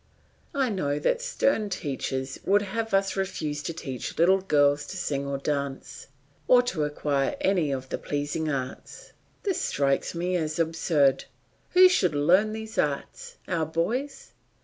I know that stern teachers would have us refuse to teach little girls to sing or dance, or to acquire any of the pleasing arts. This strikes me as absurd. Who should learn these arts our boys?